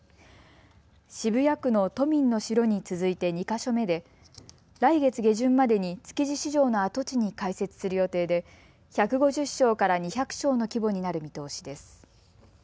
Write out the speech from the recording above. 渋谷区の都民の城に続いて２か所目で来月下旬までに築地市場の跡地に開設する予定で１５０床から２００床の規模になる見通しです。